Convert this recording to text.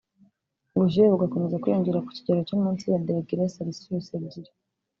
ubushyuhe bugakomeza kwiyongera ku kigero cyo munsi ya degere selisiyusi ebyiri